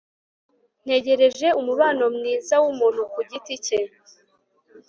Ntegereje umubano mwiza wumuntu ku giti cye